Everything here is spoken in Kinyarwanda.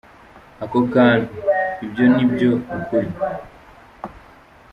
Ako kantu: ibyo ni byo kuri.